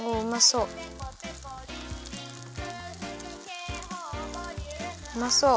うまそう。